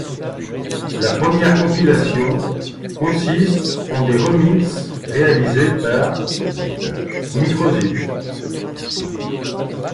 La première compilation consiste en des remixes réalisés par µ-Ziq.